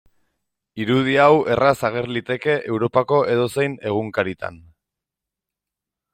Irudi hau erraz ager liteke Europako edozein egunkaritan.